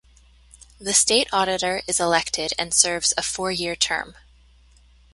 The State Auditor is elected and serves a four-year term.